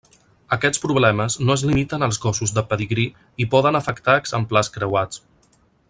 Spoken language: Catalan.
Aquests problemes no es limiten als gossos de pedigrí i poden afectar exemplars creuats.